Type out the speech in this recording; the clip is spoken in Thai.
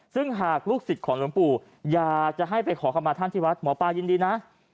ซึ่งหากลูกศิษย์ของหลวงปู่อยากจะให้ไปขอคำมาท่านที่วัดหมอปลายินดีนะ